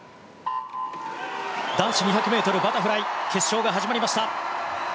男子２００ｍバタフライ決勝が始まりました。